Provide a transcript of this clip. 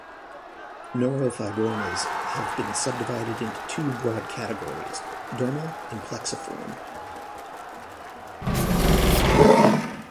Neurofibromas have been subdivided into two broad categories: dermal and plexiform.